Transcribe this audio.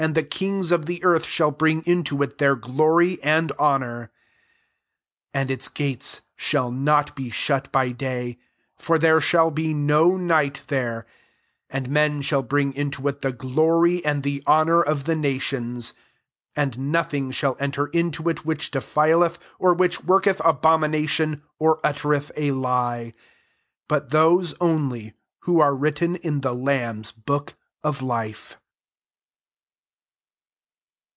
the kings of the earth ahalt bring into it their glory [and honour'], 25 And its gates shall not be shut by day s for there shall be no night there* 26 And men shall bring into it the glory and the honour of the nations. 27 And nothing shall enter into it which defileth, or which worketh abomination, or uttereth a lie: but those only who are written in the lamb's book of life.